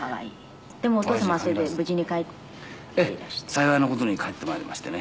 幸いな事に帰ってまいりましてね。